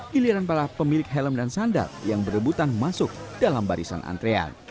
giliran para pemilik helm dan sandal yang berebutan masuk dalam barisan antrean